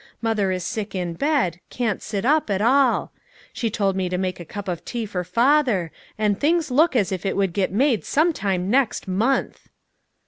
Mother is sick in bed, can't sit up at all. She told me to make a cup of tea for father, and things look as if it would get made some time next month."